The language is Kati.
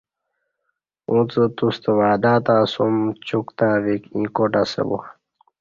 اݩڅ توستہ وعدہ تہ اسوم چوک تاویک ییں کاٹ اسہ با